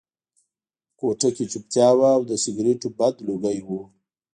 کوټه کې چوپتیا وه او د سګرټو بد لوګي وو